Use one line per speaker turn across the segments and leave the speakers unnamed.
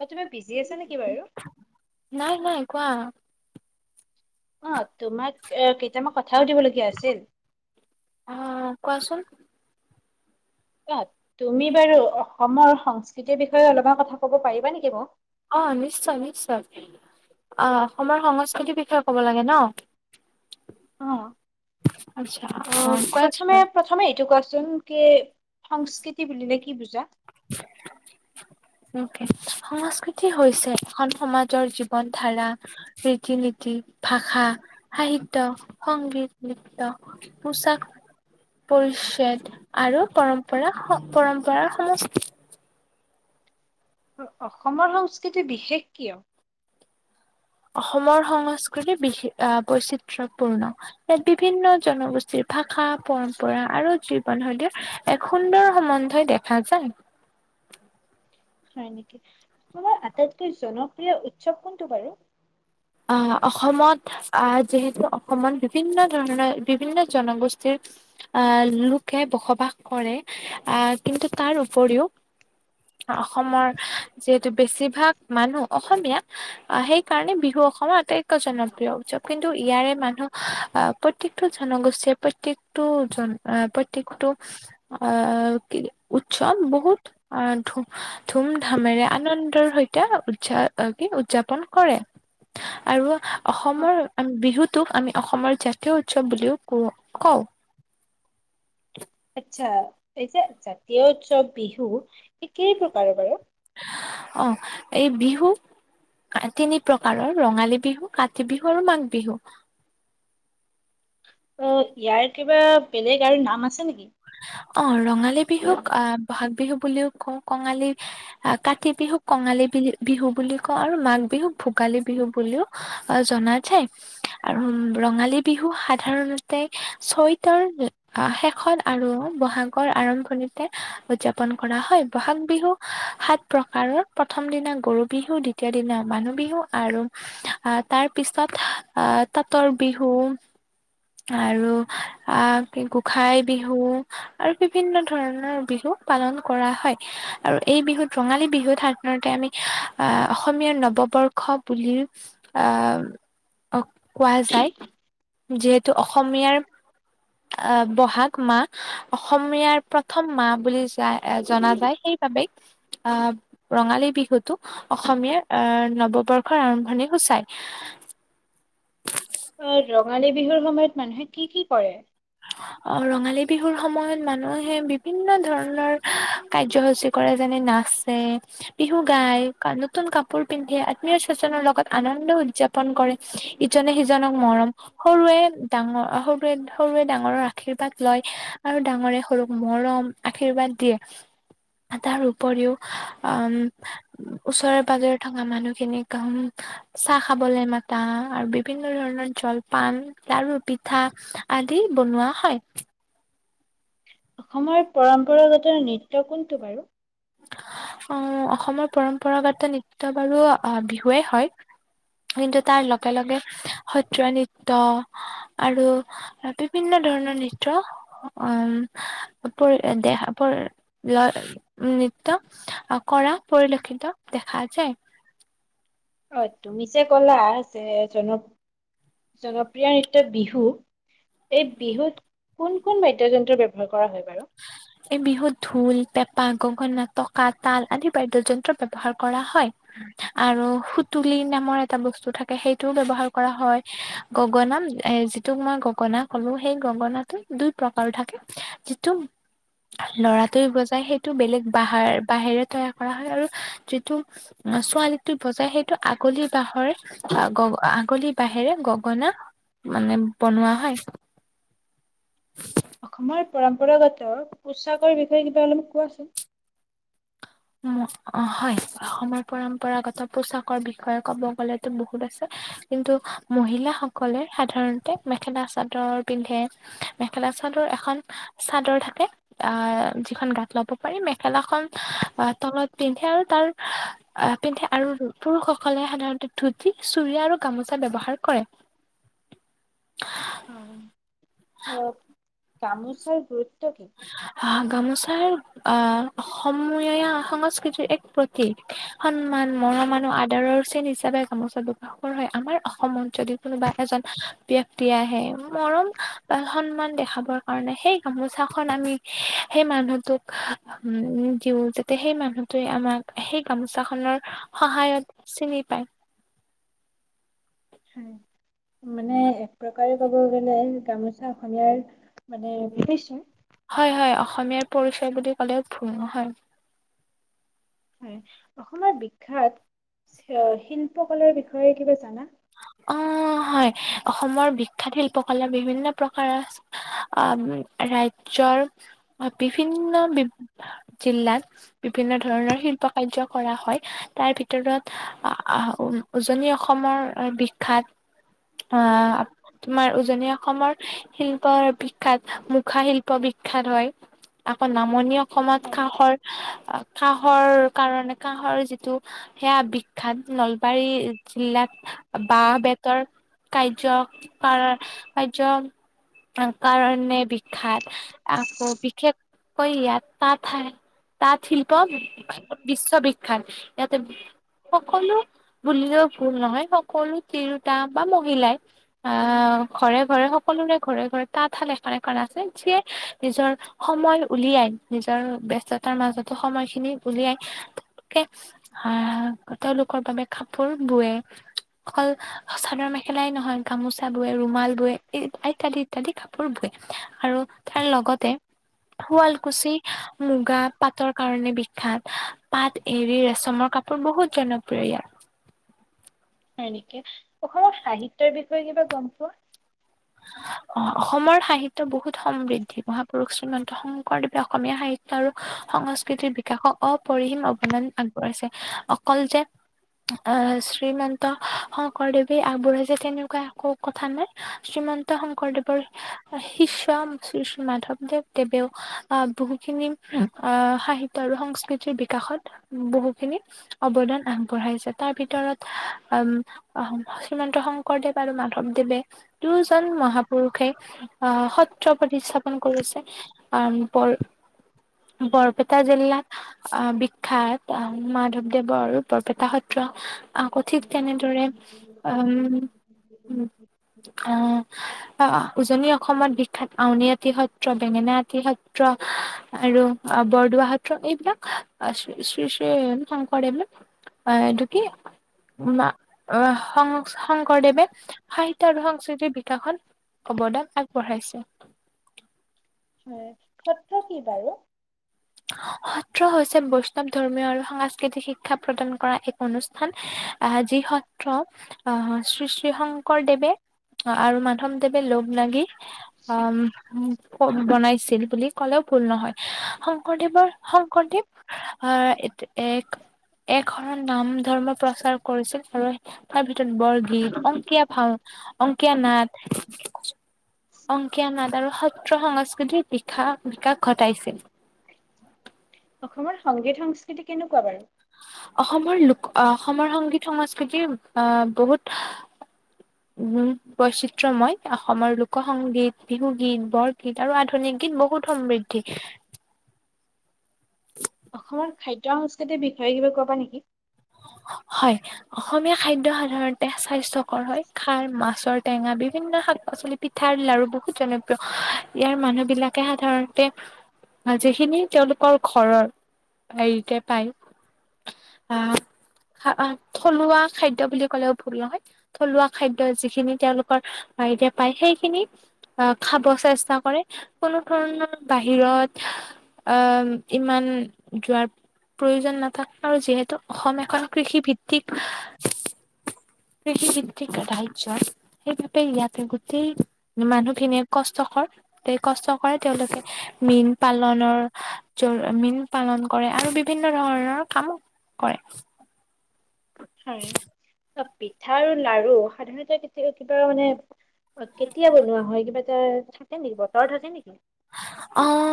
ঐ তুমি বিজি আছা নেকি বাৰু?
নাই নাই, কোৱা।
অ', তোমাক এ কেইটামান কথা সুধিবলগীয়া আছিল।
অ', কোৱাচোন।
অ', তুমি বাৰু অসমৰ সংস্কৃতিৰ বিষয়ে অলপমান কথা ক'ব পাৰিবা নেকি মোক?
অ' নিশ্চয় নিশ্চয়, অ' অসমৰ সংস্কৃতিৰ বিষয়ে ক'ব লাগে ন?
অ',
আচ্ছা
অ',
কোৱাচোন
প্ৰথমে
বাৰু
প্ৰথমে এইটো কোৱাচোন? কি সংস্কৃতি বুলিলে কি বুজা?
[inaudible] সংস্কৃতি হৈছে এখন সমাজৰ জীৱ ৱন ধাৰা, ৰীতি নীতি, ভাষা সাহিত্য, সংগীত, নৃত্য পোছাক, পৰিচ্ছেদ আৰু পৰম পৰা পৰম্পৰাৰ সমচ
অ' অসমৰ সংস্কৃতি বিশেষ কিয়?
অসমৰ সংস্কৃতিৰ বিষে আ, বৈচিত্ৰয়পূৰ্ণ, ইয়াত বিভিন্ন জনগোষ্ঠী ভাষা, পৰম্পৰা আৰু জীৱনশৈলীৰ এক সুন্দৰ সম্বন্ধই দেখা যায়।
হয় নেকি, তোমাৰ আটাইতকৈ জনপ্ৰিয় উৎসৱ কোনটো বাৰু?
আ, অসমত আ, যিহেতু অসমত বিভিন্ন ধৰণৰ বিভিন্ন জনগোষ্ঠীৰ আ, লোকে বসবাস কৰে আ, কিন্তু তাৰ উপৰিও অসমৰ যিহেতু বেছিভাগ মানুহ অসমীয়া, সেই কাৰণে বিহু অ কে জনপ্ৰিয় উৎসৱ, কিন্তু ইয়াৰে মানুহ আ, প্ৰত্যেকটো জনগোষ্ঠীয়ে প্ৰত্যেক প্ৰত্যেকটো জন আ, প্ৰত্যেকটো আ, কি উৎসৱ বহুত আ, ধু ধুম ধামেৰে আনন্দৰ সৈতে উদযা কি উদযাপন কৰে। আৰু
অ'
অসমৰ উম, বিহুটোক আমি অসমৰ জাতীয় উৎসৱ বুলিও কো কওঁ।
আচ্ছা, এই যে জাতীয় উৎসৱ বিহু ই কেই প্ৰকাৰৰ বাৰু?
অ', এই বিহু তিনি প্ৰকাৰৰ ৰঙালী বিহু, কাতি বিহু, আৰু মাঘ বিহু।
অ' ইয়াৰ কিবা বেলেগ আৰু নাম আছে নেকি?
অ' ৰঙালী বিহুক আ ব'হাগ বিহু বুলিও কওঁ, কঙালী আ কাতি বিহুক কঙালী বি বিহু বুলি কওঁ আৰু মাঘ বিহুক ভোগালী বিহু বুলিও অ' জনা যায়, আৰু ৰঙালী বিহু সাধাৰণত তে চৈতৰ আ শেষত আৰু ব'হাগৰ আৰম্ভণিতে উদযাপন কৰা হয়, ব'হাগ বিহু সাঁত প্ৰকাৰৰ প্ৰথম দিনা গৰু বিহু, দ্বিতীয় দিনা মানুহ বিহু, আৰু আ তাৰ পিছত আ তাঁতৰ বিহু আৰু আ কি গোঁসাই বিহু আৰু বিভিন্ন ধৰণৰ বিহু পালন কৰা হয়, আৰু এই বিহুত ৰঙালী বিহুত সাধাৰণতে আমি আ অসমীয়াৰ নৱবৰ্ষ বুলি আ অ' কোৱা যায়, যিহেতু অসমীয়াৰ ব'হাগ মাহ, অসমীয়াৰ প্ৰথম মাহ বুলি যায়-জনা যায়, সেইবাবেই আ ৰঙালী বিহুতটো অসমীয়াৰ আ নৱবৰ্ষৰ আৰম্ভণি সূচায়।
অ' ৰঙালী বিহুৰ সময়ত মানুহে কি কি কৰে?
অ' ৰঙালী বিহুৰ সময়ত মানুহে বিভিন্ন ধৰণৰ কাৰ্যসূচী কৰে যেনে নাচে, বিহু গাই, নতুন কাপ কাপোৰ পিন্ধে, আত্মীয় স্বজনৰ লগত আনন্দ উ উদযাপন কৰে, ইজনে সিজনক মৰম, সৰুৱে ডাঙৰ, সৰুৱে সৰুৱে ডাঙৰৰ আশীৰ্বাদ লয়, আৰু ডাঙৰে সৰুক মৰম আশীৰ্বাদ দিয়ে। তাৰ উপৰিও উম ওচৰেৰে পাজৰে থকা মানুহখিনিক উম চাহ খাবলৈ মাতা আৰু বিভিন্ন ধৰণৰ জলপান লাৰু পিঠা দি বনোৱা হয়।
অসমৰ পৰম্পৰাগত নৃত্য কোনটো বাৰু?
আহ অসমৰ পৰম্পৰাগত নৃত্য বাৰু বিহুৱেই হয়। কিন্তু তাৰ লগে লগে সত্ৰীয়া নৃত্য আৰু বিভিন্ন ধৰণৰ নৃত্য অ' উপৰি দেহা বৰ লয় নৃ ত্য কৰা পৰিলক্ষিত দেখা যায়।
অ' তুমি যে ক'লা যে জনপ্ৰিয় জনপ্ৰিয় নৃত্য বিহু, এই বিহুত কোন কোন বাদ্যযন্ত্ৰ ব্যৱহাৰ কৰা হয় বাৰু?
এই বিহুত ঢোল, পেঁপা, গগনা, টকা, তাল আদি বাদ্যযন্ত্ৰ ব্যৱহাৰ কৰা হয়। আৰু সুতুলী নামৰ এটা বস্তু থাকে সেইটোও ব্যৱহাৰ কৰা হয়। গগনা যিটো তোমাৰ গগনা হ'লেও সেই গগনাটো দুই প্ৰকাৰৰ থাকে। যিটো ল'ৰাটোৱে বজাই সেইটো বেলেগ বাঁহ বাঁহেৰে তৈয়াৰ কৰা হয়। আৰু যিটো ছোৱালীটো বজাই সেইটো আগলি বাঁহৰ আকৌ আগলি বাহেৰে গগনা মানে বনোৱা হয়।
অসমৰ পৰম্পৰাগত পোছাকৰ বিষয়ে কিবা অলপ কোৱাচোন?
অ', হয়। অসমৰ পৰম্পৰাগত পোছাকৰ বিষয়ে ক'ব গ'লেতো বহুত আছে। কিন্তু মহিলাসকলে সাধাৰণতে মেখেলা চাদৰ পিন্ধে। মেখেলা চাদৰ এখন চাদৰ থাকে। আহ যিখন গাত ল'ব পাৰি, মেখেলাখন তলত পিন্ধে আৰু তাৰ আহ পিন্ধে আৰু পুৰুষসকলে সাধাৰণতে ধুতি চুৰি আৰু গামোচা ব্যৱহাৰ কৰে।
অ অ', গামোচাৰ গুৰুত্ব কি?
আহ গামোচাৰ আহ অসমীয়া সংস্কৃতিৰ এক প্ৰ তিক, সন্মান মৰম আৰু আদৰৰ চিন হিচাপে গামোচাটো ৰ হয়। আমাৰ অসমত যদি কোনোবা এজন ব্যক্তি আহে। মৰম ৰ সন্মান দেখাবৰ কাৰণে সেই গামো চাখন আমি সেই মানুহটোক উম দিওঁ, যাতে সেই মানুহটোৱে আমাক সেই গামোচাখনৰ সহায়ত চিনি পায়।
হয়। মানে এক প্ৰকাৰে ক'ব গ'লে গামোচা অসমীয়াৰ মানে বিভিসাৰ।
হয়, হয় অসমীয়াৰ পৰিচয় বুলি ক'লেও ভুল নহয়।
হয়। অসমৰ বিখ্যাত শিল্পকলাৰ বিষয়ে কিবা জানা?
অ', হয়। অসমৰ বিখ্যাত শিল্প কলা বিভিন্ন প্ৰকাৰৰ আছে। ৰাজ্যৰ বিভিন্ন বি জিলাত বিভিন্ন ধৰণৰ শিল্প কাৰ্য্য কৰা হয়। তাৰ ভিতৰত আহ আহ উজনি অসমৰ বিখ্যাত অ' তোমাৰ উজনি অসমৰ শিল্প বিখ্যাত মুখা শিল্প বিখ্যাত হয়। আকৌ নামনি অসমত কাহঁৰ আ, কাঁহৰ কাৰণে কাঁহৰ যিটো সেয়া বিখ্যাত নলবাৰী জিলাত বাঁহ বেতৰ কাৰ্য্য কাৰ কাৰ্য্য কাৰণে বিখ্যাত, আকৌ বিশেষকৈ ইয়াত ঠাই তাঁত শিল্প বিশ্ববিখ্যাত ইয়াতে সকলো বুলিলেও ভুল নহয় সকলো তিৰোতাই বা মহিলাই। আ ঘৰে ঘৰে সকলোৰে ঘৰে ঘৰে তাঁতশাল এখন এখন আছে, যিয়ে নিজৰ সময় উলিয়াই, নিজৰ ব্যস্ততাৰ মাজতো সময় খিনি উলিয়াই কে আ, তেওঁলোকৰ বাবে কাপোৰ বুৱে। অকল চাদৰ মেখেলাই নহয়, গামোচা বোৱে ৰুমাল বোৱে [unintelligible] ইত্যাদি কাপোৰ বোৱে আৰু তাৰ লগতে শুৱালকুছি মুগা পাটৰ কাৰণে বিখ্যাত, পাট, এৰি, ৰেচমৰ কাপোৰ বহুত জনপ্ৰিয় ইয়াত।
হয় নেকি, অসমৰ সাহিত্যৰ বিষয়ে কিবা গম পোৱা?
অ-অসমৰ সাহিত্য বহুত সমৃদ্ধি, মহাপুৰুষ শ্ৰীমন্ত শংকৰদেৱে অসমীয়া সাহি ত্য আৰু সংস্কৃতিৰ বিকাশক অপৰিহীম অৱদান আগবঢ়াইছে, অকল যে আ শ্ৰীমন্ত শংকৰদেৱে আগবঢ়াইছে তেনেকুৱা একো কথা নাই। শ্ৰীমন্ত শংকৰদেৱৰ শিষ্য শ্ৰী শ্ৰী মাধৱদেৱ, আ, দেৱেও আ, বহুখিনি অ', সাহিত্য আৰু সংস্কৃতিৰ বিকাশত বহুখিনি অৱদান আগবঢ়াইছে তাৰ ভিতৰত আম আহ শ্ৰীমন্ত শংকৰদেৱ আৰু মাধৱদেৱে দুয়োজন মহাপুৰুষে আ সত্ৰ প্ৰতিস্থাপন কৰিছে। অ', বৰ বৰপেটা জিলাত আ বিখ্যাত আ মাধৱদেৱৰ আৰু বৰপেটা সত্ৰ। আকৌ ঠিক তেনেদৰে, আ, উম আ আ, উজনি অসমত বিখ্যাত আউনী আটি সত্ৰ, বেঙেনা আটি সত্ৰ আৰু আ বৰদোৱা সত্ৰ, এইবিলাক আ শ্ৰ, আ শ্ৰী শ্ৰী শংকৰদেৱে আ, এইটো কি বা সংচ-শংকৰদেৱে সাহিত ত্য আৰু সংস্কৃতিৰ বিকাশত অৱদান আগবঢ়াইছে।
হয়, সত্ৰ কি বাৰু?
সত্ৰ হৈছে বৈষ্ণৱ ধৰ্মীয় আৰু সাংস্কৃতিক শিক্ষা প্ৰদান কৰা এক অনুষ্ঠান। আহ যি সত্ৰ আহ শ্ৰী শ্ৰী শংকৰদেৱে অ', আৰু মাধৱ দেেৱে লগ লাগি অ', ক বনাইছিল বুলি ক'লেও ভুল নহয়। [unintelligible] শংকৰদেৱ আহ এত এক একশৰণ নাম ধৰ্ম প্ৰচাৰ কৰিছিল আৰু তাৰ ভিতৰত বৰগীত, অংকীয়াা ভাও অংকীয়া নাট [unintelligible] অংকীয়া নাট আৰু সত্ৰ সংস্কৃতিৰ বিশা--বিকাশ ঘটাইছিল।
অসমৰ সংগীত সংস্কৃতি কেনেকুৱা বাৰু?
অসমৰ লোক অ', অসমৰ সংগীত সংস্কৃতি অ', বহুত
[inaudible]
উম বৈচিত্ৰময়, অসমৰ লোক সংগীত, বিহুগীত, বৰগীত আৰু আধুনিক গীত বহুত সমৃ ধি।
অসমৰ খাদ্য সংস্কৃতিৰ বিষয়ে কিবা কবা নেকি?
হয়। অসমীয়া খাদ্য সাধাৰণতে স্বাস্থ্যকৰ হয় খাৰ, মাছৰ টেঙা বিভিন্ন শাক পাচলি পিঠা, লাৰু বহুত জনপ্ৰিয় ইয়াৰ মানুহ বিলাকে সাধাৰণতে যিখিনি তেওঁলোকৰ ঘৰৰ হেৰিতে পায় আ' থলুৱা খাদ্য বুলি ক'লেও ভুল নহয়। থলুৱা খাদ্য যিখিনি তেওঁলোকৰ বাৰিতেই পায়, সেইখিনি আ' খাব চেষ্টা কৰে, কোনো ধৰণৰ বাহিৰত আ' ইমান যোৱাৰ প্ৰয়োজন নাথাকে, আৰু যিহেতু অসমীয়া কাৰণ কৃষি ভিত্তিক কৃষি ভিত্তিক [unintelligible] এই গোটেই ইয়াতে, গোটেই মানুহখিনিয়ে কষ্টকৰ এই কষ্ট কৰে, তেওঁলোকে মীন পালনৰ মীন পালন কৰে আৰু বিভিন্ন ধৰণৰ কাম কৰে।
হয়, এ' পিঠা আৰু লাৰু সাধাৰণতে কেতিয়াবা কিবা মানে অ' কেতিয়া বনোৱা হয়, কিবা এটা থাকে নেকি বাৰু, বতৰ থাকে নেকি?
অ'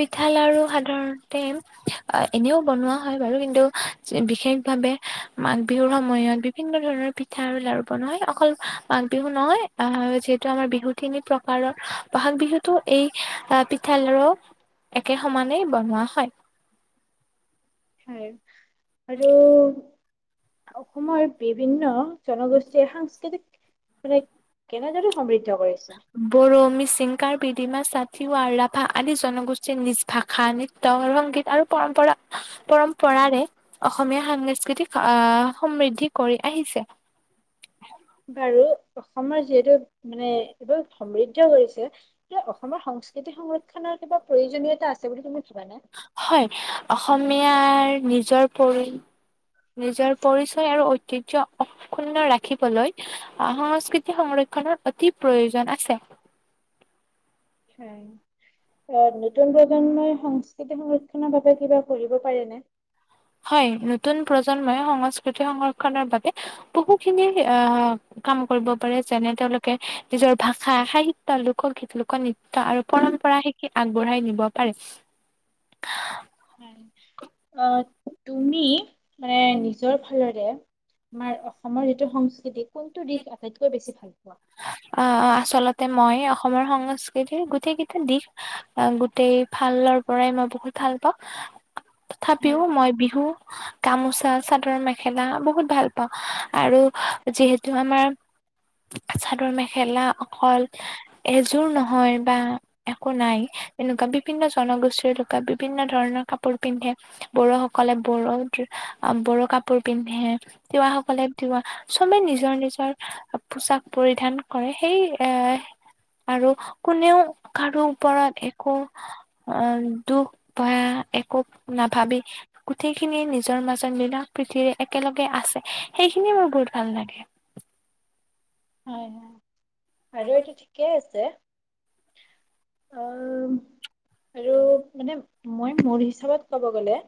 পিঠা, লাৰু সাধাৰণতে এ-এনেও বনোৱা হয় বাৰু কিন্তু বিশেষ ভাৱে মাঘ বিহুৰ সময়ত বিভিন্ন ধৰণৰ পিঠা আৰু লাৰু বনোৱা অকল মঘ বিহু নহয় আ' যিহেতু আমাৰ বিহু তিনি প্ৰকাৰৰ বহাগ বিহুতো এই পি ঠা, লাৰু একে সমানেই বনোৱা হয়।
হয় আৰু অসমৰ বিভিন্ন জনগোষ্ঠীৰ সাংস্কৃতিক [unintelligible] কেনেদৰে সমৃদ্ধ কৰিছে?
বড়ো, মিচিং, কাৰ্বি, ডিমাছা, তিৱা আৰু ৰাভা আদি জনগোষ্ঠীৰ নিজ ভাষা নিজ তৰ ৰংগীত আৰু পৰম্পৰা পৰম্পৰাৰে, অসমীয়া সাংস্কৃতিক আ' সমৃদ্ধি কৰি আহিছে।
বাৰু অসমৰ যিহেতু মানে এইবোৰ সমৃদ্ধ হৈছে কিবা অসমৰ সংস্কৃতি সংৰক্ষনৰ কিবা প্ৰয়োজনীয়তা আছে বুলি তুমি ভাবা নে?
হয় অসমীয়াৰ নিজৰ পৰি নিজৰ পৰিচয় আৰু ঐতিহ্য অ' ক্ষুন্ন ৰাখিবলৈ অ' সংস্কৃতি সংৰক্ষনৰৰ অতি প্ৰয়োজন আছে।
[unintelligible] অ' নতুন প্ৰজন্মই সংস্কৃতি সংৰক্ষনৰ বাবে কিবা কৰিব পাৰেনে?
হয়, নতুন প্ৰজন্মই সংস্কৃতি সংৰক্ষনৰ বাবে বহুখিনি আ' কাম কৰিব পাৰে যেনে তেওঁলোকে নিজৰ ভাষা, সাহিত্য, লোকগীত, লোক নৃত্য আৰু পৰম্পৰা শিক কি আগবঢ়াই নিব পাৰ?
[inaudible] হয়, অ' তুমি মানে নিজৰ ফালৰে আমাৰ অসমৰ যিটো সংস্কৃতি কোনটো দিশ আটাইতকৈ বেছি ভাল পোৱা?
অ', অ' আচলতে মই অসমৰ সংস্কৃতিৰ গোটেই কেইটা দিশ গোটেই ফালৰ পৰাই মই বহুত ভাল পাওঁ।
হয়
তথাপিও মই বিহু গামোচা, চাদৰ-মেখেলা বহুত ভাল পাওঁ আৰু যিহেতু আমাৰ
[inaudible]
চাদৰ-মেখেলা অকল এযোৰ নহয় বা একো নাই এনেকুৱা বিভিন্ন জনগোষ্ঠীৰ লোকে বিভিন্ন ধৰণৰ কাপোৰ পিন্ধে। বড়ো সকলে বড়ো বড়ো কাপোৰ পিন্ধে। তিৱাসকলে তিৱা চবে নিজৰ নিজৰ পোচাক পৰি ধান কৰে সেই এ আৰু কোনেও কাৰো ওপৰত একো অ, দুখ বা একো নাভাবি গোটেইখিনিয়ে নিজৰ মাজত মিলা প্ৰীতিৰে একেলগে আছে সেইখিনিয়ে মোৰ বহুত ভাল লাগে।
হয় হয় বাইদেউ হতি থিকে আছে। অ, আৰু মানে মই মোৰ হিচাপত ক'ব গ'লে।